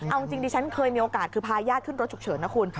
เอาจริงดิฉันเคยมีโอกาสคือพาญาติขึ้นรถฉุกเฉินนะคุณ